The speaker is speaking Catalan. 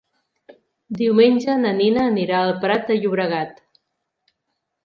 Diumenge na Nina anirà al Prat de Llobregat.